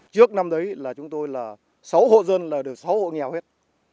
trước năm đấy là chúng tôi là sáu hộ dân là được sáu hộ nghèo hết